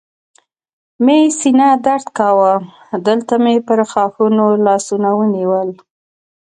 مې سینه درد کاوه، دلته مې پر ښاخونو لاسونه ونیول.